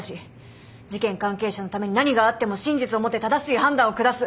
事件関係者のために何があっても真実をもって正しい判断を下す。